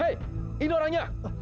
hei ini orangnya